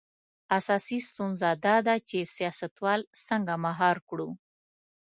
اساسي ستونزه دا ده چې سیاستوال څنګه مهار کړو.